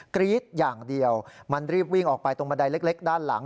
กรี๊ดอย่างเดียวมันรีบวิ่งออกไปตรงบันไดเล็กด้านหลัง